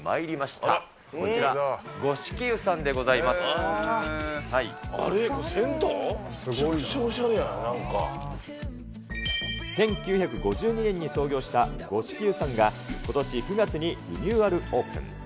めちゃくちゃおしゃれじゃない、１９５２年に創業した五色湯さんが、ことし９月にリニューアルオープン。